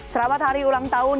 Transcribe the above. selamat hari ulang tahun